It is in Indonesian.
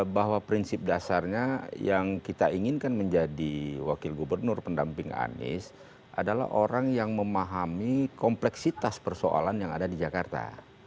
bahwa prinsip dasarnya yang kita inginkan menjadi wakil gubernur pendamping anies adalah orang yang memahami kompleksitas persoalan yang ada di jakarta